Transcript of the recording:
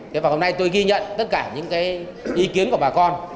thế và hôm nay tôi ghi nhận tất cả những cái ý kiến của bà con